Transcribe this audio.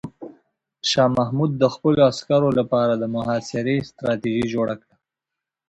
شاه محمود د خپلو عسکرو لپاره د محاصرې ستراتیژي جوړه کړه.